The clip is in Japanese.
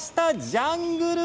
ジャングル